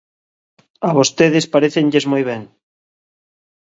A vostedes parécenlles moi ben.